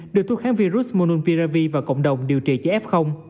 đưa thuốc kháng virus monopiravir và cộng đồng điều trị cho f